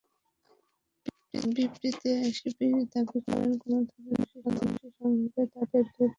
বিবৃতিতে শিবির দাবি করে, কোনো ধরনের সন্ত্রাসের সঙ্গে তাদের দূরতম সম্পর্কও নেই।